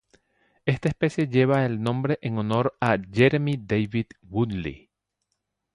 Esta especie lleva el nombre en honor a Jeremy David Woodley.